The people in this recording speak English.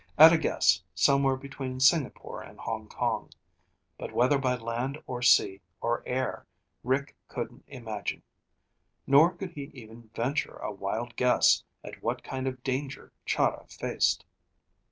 At a guess, somewhere between Singapore and Hong Kong. But whether by land or sea or air, Rick couldn't imagine. Nor could he even venture a wild guess at what kind of danger Chahda faced.